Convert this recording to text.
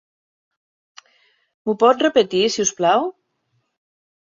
Mho pot repetir, si us plau?